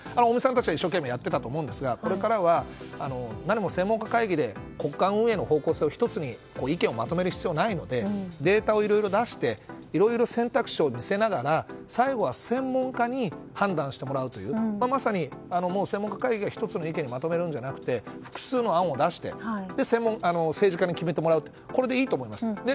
尾身さんたちは一生懸命やってたと思うんですがこれからは何も専門家会議で国家運営の必要性を一つに意見をまとめる必要はないのでデータをいろいろ出していろいろ選択肢を見せながら最後は専門家に判断してもらうというまさに専門家会議が一つにまとめるんじゃなくて複数の案を出して、政治家に決めてもらうでいいと思います。